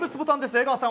江川さん